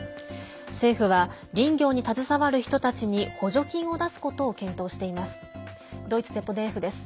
政府は、林業に携わる人たちに補助金を出すことを検討しています。